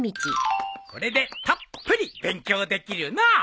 これでたっぷり勉強できるのう。